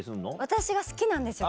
私が好きなんですよ